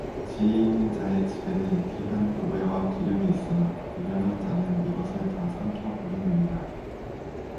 지혜있는 자의 집에는 귀한 보배와 기름이 있으나 미련한 자는 이것을 다 삼켜버리느니라